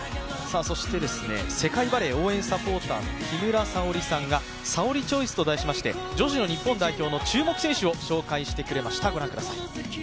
そして世界バレー応援サポーターの木村沙織さんがさおりＣＨＯＩＣＥと題しまして、女子の日本代表の注目選手を紹介してくれました。